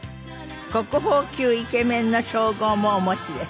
国宝級イケメンの称号もお持ちです。